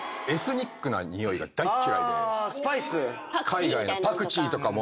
海外のパクチーとかも。